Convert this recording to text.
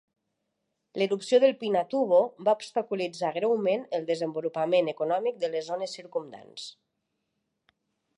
L'erupció del Pinatubo va obstaculitzar greument el desenvolupament econòmic de les zones circumdants.